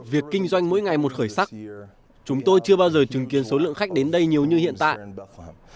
việc kinh doanh mỗi ngày một khởi sắc chúng tôi chưa bao giờ chứng kiến số lượng khách đến đây nhiều như hiện tại